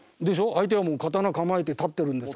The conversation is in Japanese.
相手がもう刀構えて立ってるんですから。